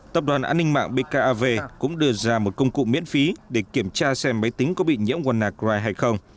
tập đoàn an ninh mạng bkav cũng đưa ra một công cụ miễn phí để kiểm tra xem máy tính có bị nhiễm wanacry hay không